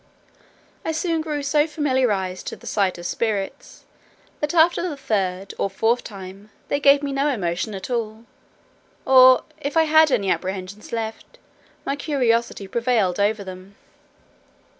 I soon grew so familiarized to the sight of spirits, that after the third or fourth time they gave me no emotion at all: or, if I had any apprehensions left, my curiosity prevailed over them.